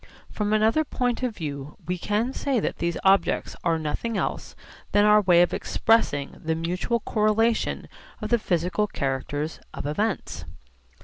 From another point of view we can say that these objects are nothing else than our way of expressing the mutual correlation of the physical characters of events.